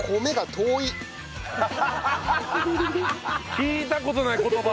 聞いた事ない言葉！